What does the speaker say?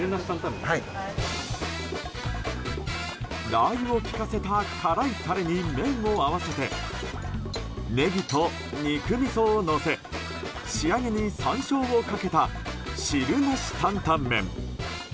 ラー油を利かせた辛いタレに麺を合わせてネギと肉みそをのせ仕上げに山椒をかけた汁なし担々麺。